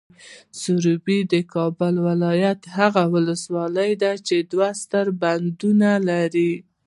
سروبي، د کابل ولایت هغه ولسوالۍ ده چې دوه ستر بندونه لري.